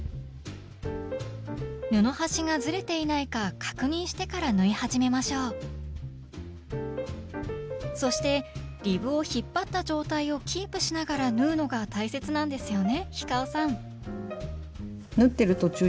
布端がずれていないか確認してから縫い始めましょうそしてリブを引っ張った状態をキープしながら縫うのが大切なんですよね？